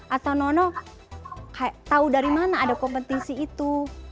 atau nono tahu dari mana ada kompetisi itu